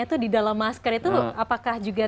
itu di dalam masker itu apakah juga